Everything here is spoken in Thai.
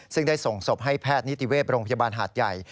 ซึ่งได้ส่งศพให้แพทย์นิติเวศโรงพยาบาลหาดใหญ่